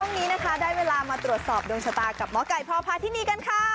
ช่วงนี้นะคะได้เวลามาตรวจสอบดวงชะตากับหมอไก่พ่อพาทินีกันค่ะ